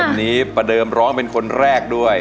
วันนี้ประเดิมร้องเป็นคนแรกด้วย